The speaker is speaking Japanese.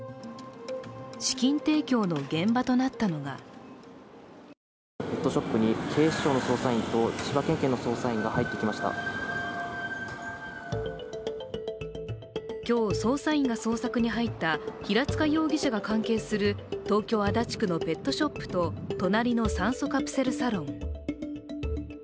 資金提供の現場となったのが今日、捜査員が捜索に入った平塚容疑者が関係する東京・足立区のペットショップと隣の酸素カプセルサロン。